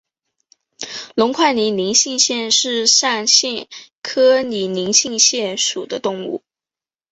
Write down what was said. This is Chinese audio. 隆块拟银杏蟹为扇蟹科拟银杏蟹属的动物。